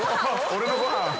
俺のご飯。